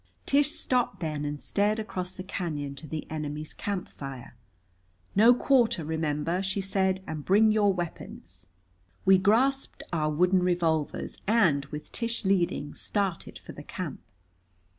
Tish stopped then, and stared across the cañon to the enemy's camp fire. "No quarter, remember," she said. "And bring your weapons." We grasped our wooden revolvers and, with Tish leading, started for the camp.